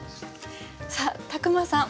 さあ宅間さん